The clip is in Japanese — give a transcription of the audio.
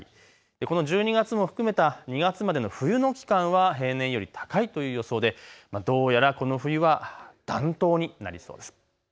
この１２月も含めた２月までの冬の期間は平年より高いという予想でどうやらこの冬は暖冬になりそうです。